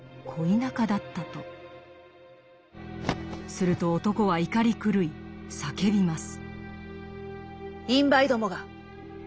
すると男は怒り狂い叫びます。